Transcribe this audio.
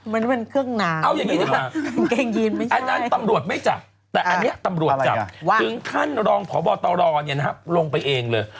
มันเป็นเครื่องนางแกงยีนไม่ใช่อันนั้นตำรวจไม่จับแต่อันนี้ตำรวจจับคือท่านรองพบตลลงไปเองเลย